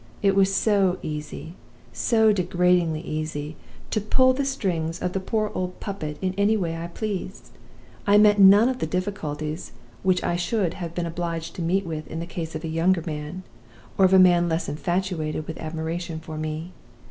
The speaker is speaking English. It was so easy, so degradingly easy, to pull the strings of the poor old puppet in any way I pleased! I met none of the difficulties which I should have been obliged to meet in the case of a younger man, or of a man less infatuated with admiration for me.